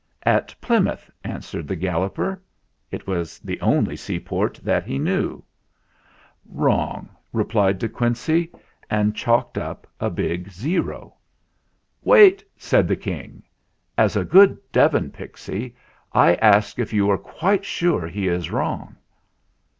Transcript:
"At Plymouth," answered the Galloper. It was the only seaport that he knew/ "Wrong," replied De Quincey, and chalked up a big O. "Wait !" said the King. "As a good Devon pixy, I ask if you are quite sure he is wrong